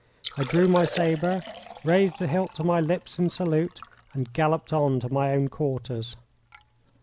I drew my sabre, raised the hilt to my lips in salute, and galloped on to my own quarters.